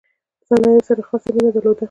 صنایعو سره یې خاصه مینه درلوده.